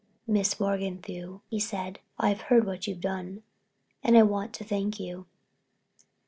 "Miss Morganthau," he said, "I've heard what you've done, and I want to thank you."